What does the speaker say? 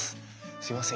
すみません